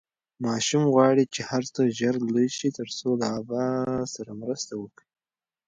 ماشوم غواړي چې هر څه ژر لوی شي ترڅو له ابا سره مرسته وکړي.